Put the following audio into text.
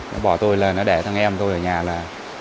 nó bỏ tôi là nó để thằng em tôi ở nhà là